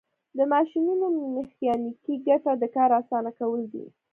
د ماشینونو میخانیکي ګټه د کار اسانه کول دي.